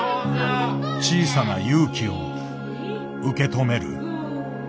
小さな勇気を受け止める。